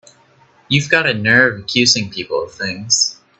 You've got a nerve accusing people of things!